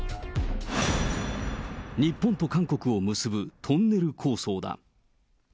日本と韓国を結ぶトンネル構想だ。